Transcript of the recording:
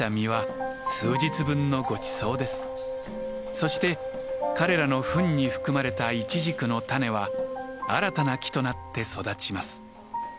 そして彼らの糞に含まれたイチジクの種は新たな木となって育ちます。